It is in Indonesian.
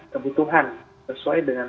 kebutuhan sesuai dengan